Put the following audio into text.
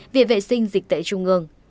việc vệ sinh dịch tệ trung ương